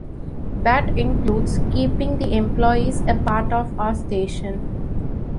That includes keeping the employees a part of our station.